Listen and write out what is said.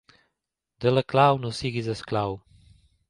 De la clau no siguis esclau.